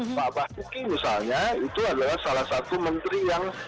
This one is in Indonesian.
pak basuki misalnya itu adalah salah satu menteri yang